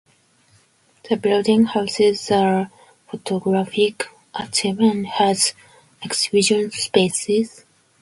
The building houses the photographic archive and has exhibition spaces.